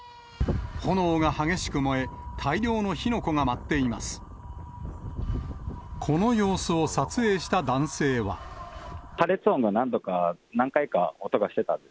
炎が激しく燃え、大量の火の粉が舞っています。